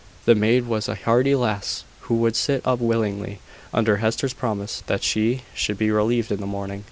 The maid was a hearty lass, who would sit up willingly, under Hester's promise that she should be relieved in the morning.